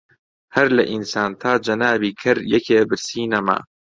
هەر لە ئینسان تا جەنابی کەر یەکێ برسی نەما